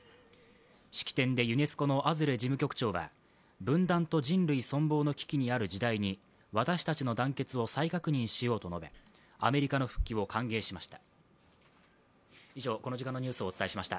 式典でユネスコのアズレ事務局長は分断と人類存亡の危機にある時代に私たちの団結を再確認しようとアメリカの復帰を歓迎しました。